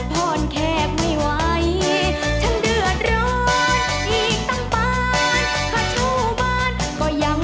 ขอบคุณค่ะ